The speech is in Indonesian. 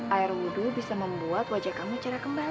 air wudhu bisa membuat wajah kamu cerah kembali